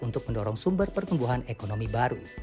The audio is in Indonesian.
untuk mendorong sumber pertumbuhan ekonomi baru